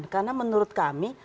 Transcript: karena menurut kami